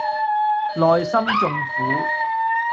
內心縱苦